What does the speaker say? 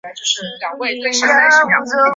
后任横须贺镇守府长。